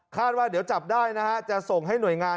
ฆ่าว่าจับได้จะส่งให้กับหน่วยงาน